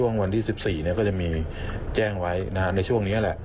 วันที่๑๔ก็จะมีแจ้งไว้ในช่วงนี้แหละ